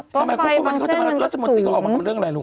อ๋อตอนฟลายบางเส้นนี้มันก็สูง